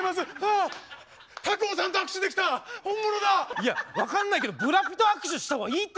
いや分かんないけどブラピと握手した方がいいって！